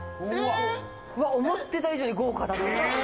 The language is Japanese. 思ってた以上に豪華だな。